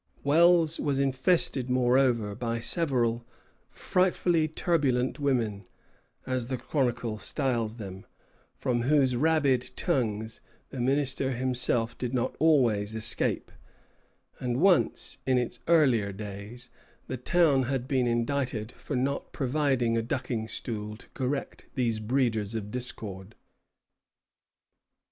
Wells was infested, moreover, by several "frightfully turbulent women," as the chronicle styles them, from whose rabid tongues the minister himself did not always escape; and once, in its earlier days, the town had been indicted for not providing a ducking stool to correct these breeders of discord.